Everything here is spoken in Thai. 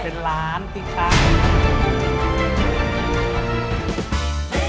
เป็นล้านตีค่ะ